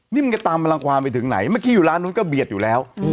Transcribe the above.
นี่มันจะตามพลังความไปถึงไหนเมื่อกี้อยู่ร้านนู้นก็เบียดอยู่แล้ว